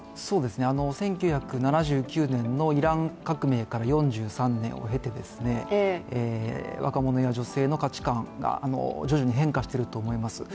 １９７９年のイラン革命から４３年を経て、若者や女性の価値観が徐々に変化していると思います。